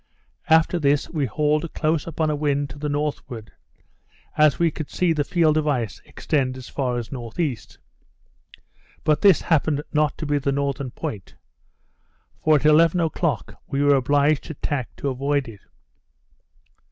After this we hauled close upon a wind to the northward, as we could see the field of ice extend as far as N.E. But this happened not to be the northern point; for at eleven o'clock we were obliged to tack to avoid it.